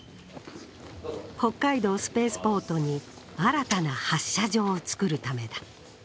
北海道スペースポートに新たな発射場を作るためだ。